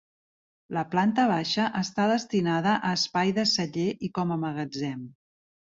La planta baixa està destinada a espai de celler i com a magatzem.